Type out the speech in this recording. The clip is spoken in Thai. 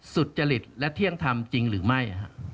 สุจริตและเที่ยงธรรมจริงหรือไม่